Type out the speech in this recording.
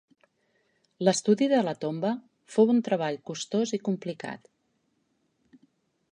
L'estudi de la tomba fou un treball costós i complicat.